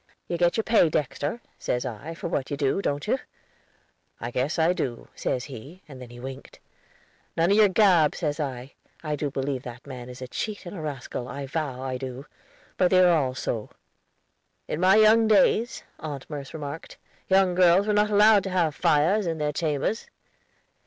'You get your pay, Dexter,' says I, 'for what you do, don't you?' 'I guess I do,' says he, and then he winked. 'None of your gab,' says I. I do believe that man is a cheat and a rascal, I vow I do. But they are all so." "In my young days," Aunt Merce remarked, "young girls were not allowed to have fires in their chambers."